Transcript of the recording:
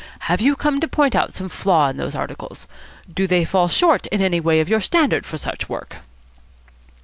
Have you come to point out some flaw in those articles? Do they fall short in any way of your standard for such work?"